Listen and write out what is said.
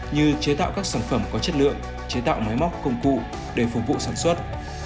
như chế tạo các sản phẩm có chất lượng chế tạo máy móc công cụ để phục vụ sản xuất